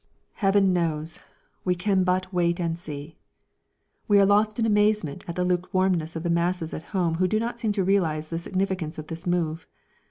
Heaven knows! We can but "wait and see." We are lost in amazement at the lukewarmness of the masses at home who do not seem to realise the significance of this move.